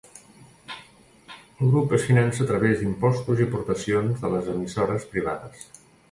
El grup es finança a través d'impostos i aportacions de les emissores privades.